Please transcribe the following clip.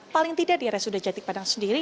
paling tidak di rsud jatipadang sendiri